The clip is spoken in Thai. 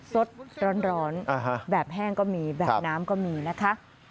สดร้อนแบบแห้งก็มีแบบน้ำก็มีนะคะ